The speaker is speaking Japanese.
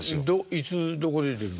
いつどこで出るの？